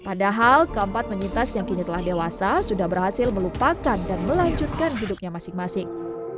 padahal keempat penyintas yang kini telah dewasa sudah berhasil melupakan dan melanjutkan hidupnya masing masing